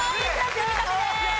積み立てです！